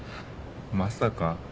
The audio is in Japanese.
まさか。